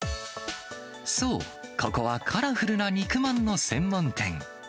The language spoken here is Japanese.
そう、ここはカラフルな肉まんの専門店。